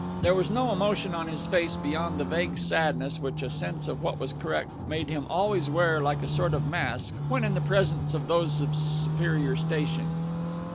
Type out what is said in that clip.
There was no emotion on his face beyond the vague sadness which a sense of what was correct made him always wear like a sort of mask when in the presence of those of superior station.